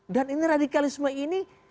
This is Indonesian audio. dan ini radikalisme ini